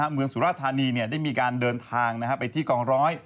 เมืองสุราธานีได้มีการเดินทางไปที่กองร้อย